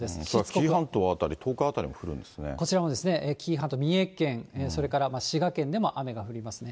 紀伊半島辺り、こちらもですね、紀伊半島、三重県、それから滋賀県でも雨が降りますね。